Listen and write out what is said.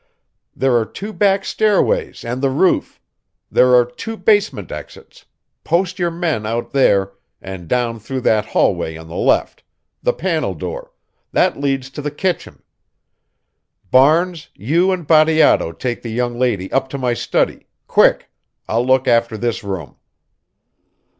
"There are two back stairways and the roof. There are two basement exits post your men out there, and down through that hallway on the left the panel door that leads to the kitchen. Barnes, you and Bateato take the young lady up to my study quick! I'll look after this room."